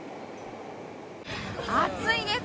暑いです。